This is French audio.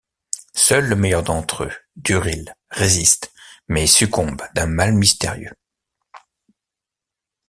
Seul le meilleur d'entre eux, Durill, résiste, mais succombe d'un mal mystérieux.